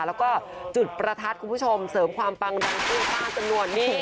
แล้วก็จุดประทัดคุณผู้ชมเสริมความปังดังขึ้นฟ้าจำนวนนี่